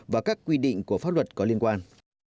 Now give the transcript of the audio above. và các quy định của pháp luật có liên quan